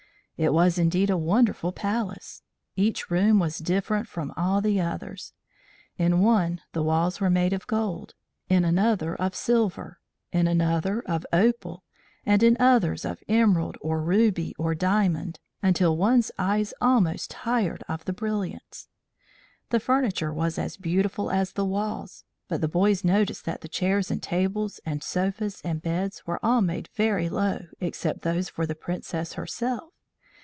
It was indeed a wonderful Palace. Each room was different from all the others. In one the walls were made of gold, in another of silver, in another of opal, and in others of emerald or ruby or diamond, until one's eyes almost tired of the brilliance. The furniture was as beautiful as the walls, but the boys noticed that the chairs and tables and sofas and beds were all made very low, except those for the Princess herself.